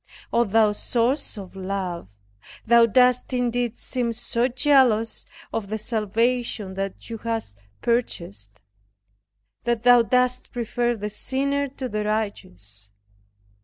O thou Source of Love! Thou dost indeed seem so jealous of the salvation Thou hast purchased, that Thou dost prefer the sinner to the righteous!